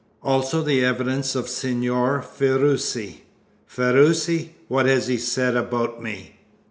Also the evidence of Signor Ferruci " "Ferruci! What has he said about me?"